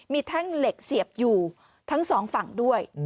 มีแท่งเหล็กเสียบอยู่ทั้งสองฝั่งด้วย